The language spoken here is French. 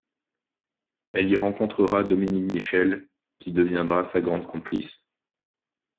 Elle y rencontrera Dominique Michel qui deviendra sa grande complice.